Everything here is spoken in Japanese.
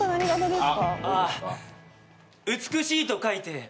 「美しい」と書いて。